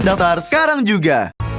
daftar sekarang juga